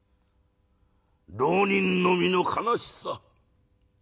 浪人の身の悲しさ。